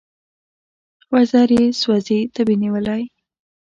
وزر یې سوزي تبې نیولی